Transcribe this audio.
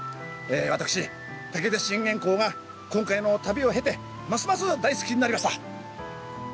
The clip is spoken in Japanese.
私武田信玄公が今回の旅を経てますます大好きになりました。